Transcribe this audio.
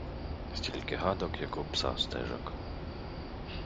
Стільки гадок, як у пса стежок.